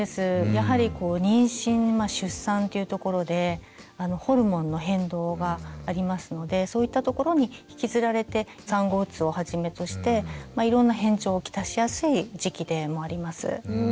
やはりこう妊娠出産っていうところでホルモンの変動がありますのでそういったところに引きずられて産後うつをはじめとしていろんな変調を来しやすい時期でもあります。